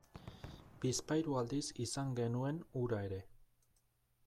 Bizpahiru aldiz izan genuen hura ere.